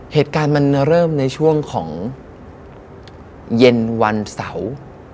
เหตุการณ์มันเริ่มในช่วงของเย็นวันเสาร์